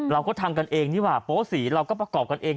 เราก็ทำกันเองนี่ว่าโป๊สีเราก็ประกอบกันเอง